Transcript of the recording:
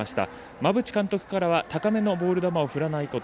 馬淵監督からは高めのボール球を振らないこと。